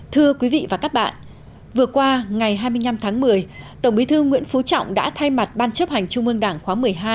thưa quý vị và các bạn vừa qua ngày hai mươi năm tháng một mươi tổng bí thư nguyễn phú trọng đã thay mặt ban chấp hành trung ương đảng khóa một mươi hai